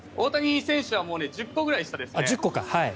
大谷選手は１０個ぐらい下ですね。